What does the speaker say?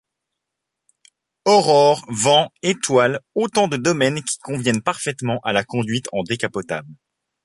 Aurore, vent, étoiles autant de domaines qui conviennent parfaitement à la conduite en décapotable.